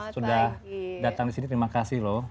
sudah datang di sini terima kasih loh